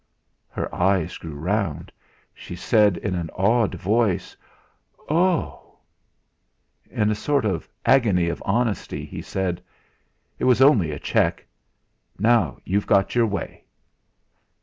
Her eyes grew round; she said in an awed voice: "Oh!" In a sort of agony of honesty he said: "It was only a cheque. Now you've got your way."